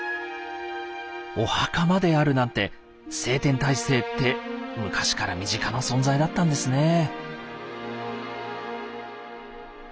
お墓まであるなんて斉天大聖って昔から身近な存在だったんですねえ。